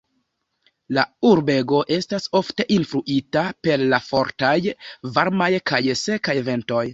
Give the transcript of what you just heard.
La urbego estas ofte influita per la fortaj, varmaj kaj sekaj ventoj.